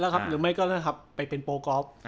หรือไม่ก็นั่นครับไปเป็นโปรกอล์ฟ